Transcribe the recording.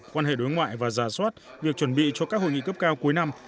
quan hệ đối ngoại và giả soát việc chuẩn bị cho các hội nghị cấp cao cuối năm